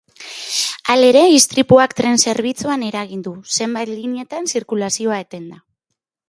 Halere, istripuak tren zerbitzuan eragin du, zenbait lineatan zirkulazioa etenda.